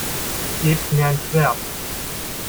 Gebt mir ein Schwert!